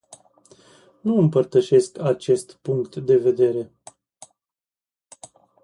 Nu împărtășesc acest punct de vedere.